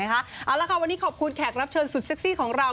เอาละค่ะวันนี้ขอบคุณแขกรับเชิญสุดเซ็กซี่ของเรา